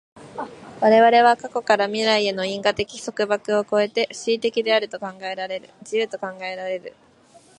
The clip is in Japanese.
我々は過去から未来への因果的束縛を越えて思惟的であると考えられる、自由と考えられる。